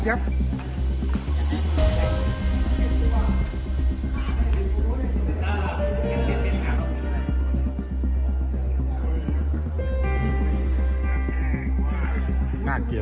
สวัสดีทุกคน